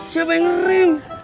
siapa yang nerim